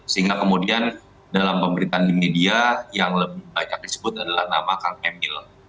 sehingga kemudian dalam pemberitaan di media yang lebih banyak disebut adalah nama kang emil